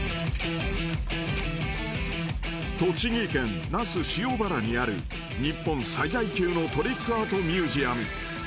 ［栃木県那須塩原にある日本最大級のトリックアートミュージアム］